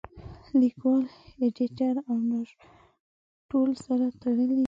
لیکوال اېډیټر او ناشر ټول سره تړلي دي.